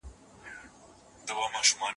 د بیوزلۍ په له منځه وړلو کي ونډه واخلئ.